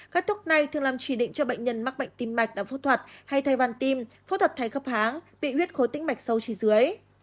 các thuốc này thường làm chỉ định cho bệnh nhân mắc bệnh tim mạch đã phẫu thuật hay thay văn tim phẫu thuật thay khắp háng bị huyết khối tính mạch sâu trì dưới